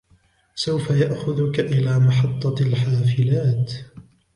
سوف يأخذك إلى محطة الحافلات.